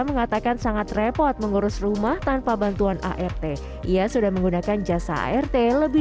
mengatakan sangat repot mengurus rumah tanpa bantuan art ia sudah menggunakan jasa art lebih